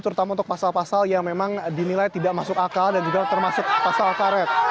terutama untuk pasal pasal yang memang dinilai tidak masuk akal dan juga termasuk pasal karet